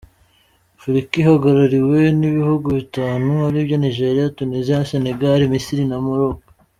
Afurika ihagarariwe n’ibihugu bitanu ari byo Nigeria, Tunisia, Senegal, Misiri na Maroc.